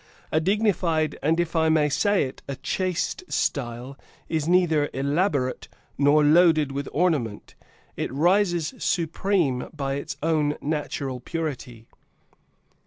A dignified and, if I may say it, a chaste, style, is neither elaborate nor loaded with ornament; it rises supreme by its own natural purity.